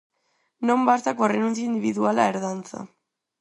Non basta coa renuncia individual á herdanza.